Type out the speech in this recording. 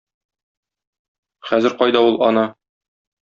Хәзер кайда ул, ана?